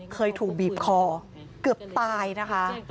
เคยถูกบีบคอเกือบตายนะคะ